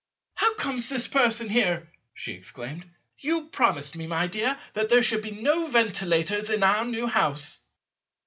"How comes this person here?" she exclaimed, "you promised me, my dear, that there should be no ventilators in our new house."